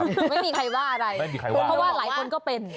ไม่มีใครว่าอะไรเพราะว่าหลายคนก็เป็น